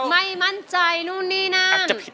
ไม่มั่นใจนู่นนี่นั่น